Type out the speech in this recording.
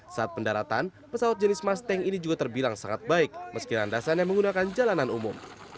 saat pendaratan pesawat jenis mass tank ini juga terbilang sangat baik meski landasannya menggunakan jalanan umum